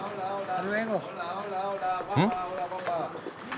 うん？